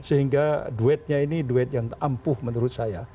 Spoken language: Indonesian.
sehingga duetnya ini duet yang ampuh menurut saya